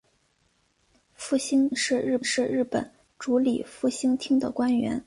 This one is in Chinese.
复兴大臣是日本主理复兴厅的官员。